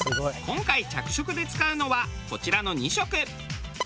今回着色で使うのはこちらの２色。